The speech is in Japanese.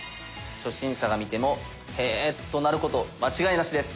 初心者が見ても「へぇ」となること間違いなしです。